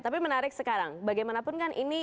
tapi menarik sekarang bagaimanapun kan ini